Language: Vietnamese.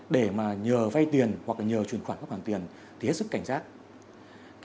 để mà nhờ phay tiền hoặc là nhờ truyền khoản góp hàng tiền thì hết sức cảnh giác